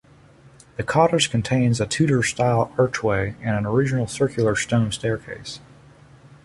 The cottage contains a Tudor-style archway and an original circular stone staircase.